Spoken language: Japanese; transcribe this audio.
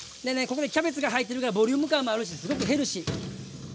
ここにキャベツが入ってるからボリューム感もあるしすごくヘルシー。